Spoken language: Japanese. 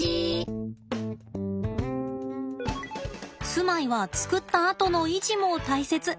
住まいは作ったあとの維持も大切。